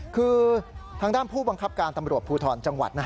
คือทางด้านผู้บังคับการตำรวจภูทรจังหวัด